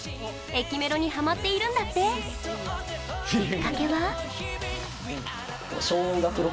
駅メロにハマっているんだって。きっかけは？